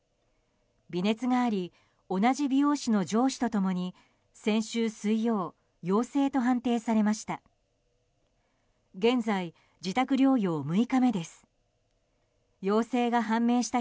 微熱があり同じ美容師の上司と共に先週水曜陽性と判定されました。